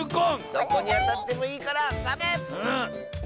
どこにあたってもいいからがんばれ！